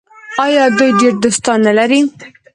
آیا دوی ډیر دوستان نلري؟